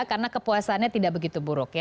karena kepuasannya tidak begitu buruk